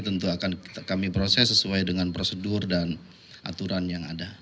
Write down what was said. tentu akan kami proses sesuai dengan prosedur dan aturan yang ada